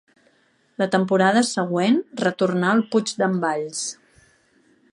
La temporada següent retornà al Puig d’en Valls.